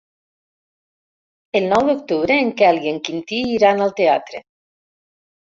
El nou d'octubre en Quel i en Quintí iran al teatre.